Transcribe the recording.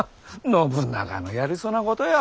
信長のやりそうなことよ。